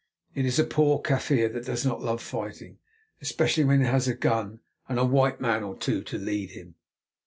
It is a poor Kaffir that does not love fighting, especially when he has a gun and a white man or two to lead him.